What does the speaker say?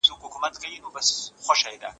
په سياسي بهيرونو کي فعاله برخه واخلئ.